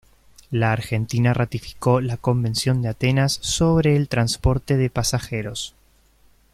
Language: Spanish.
La Argentina ratificó la Convención de Atenas sobre el transporte de pasajeros.